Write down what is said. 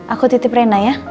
aku titip rena ya